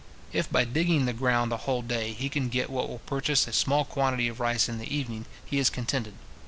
If by digging the ground a whole day he can get what will purchase a small quantity of rice in the evening, he is contented.